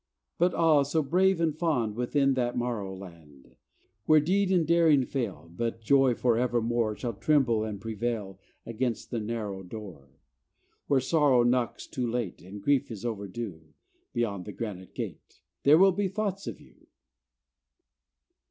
But ah, so brave and fond! Within that morrow land, Where deed and daring fail, But joy forevermore Shall tremble and prevail Against the narrow door, Where sorrow knocks too late, And grief is overdue, Beyond the granite gate There will be thoughts of you.